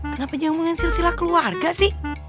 kenapa jangan ngomongin silsila keluarga sih